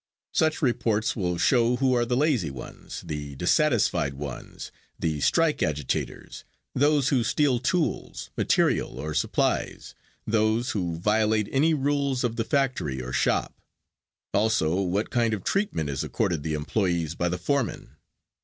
Such reports will show who are the lazy ones, the dissatisfied ones, the strike agitators, those who steal tools, material or supplies, those who violate any rules of the factory or shop; also what kind of treatment is accorded the employees by the foreman.